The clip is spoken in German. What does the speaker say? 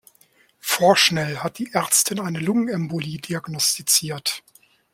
Vorschnell hat die Ärztin eine Lungenembolie diagnostiziert.